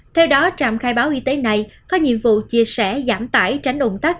theo đó trạm khai báo y tế này có nhiệm vụ chia sẻ giảm tải tránh ủng tắc